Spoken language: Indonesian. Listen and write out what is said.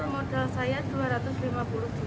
modal saya rp dua ratus lima puluh juta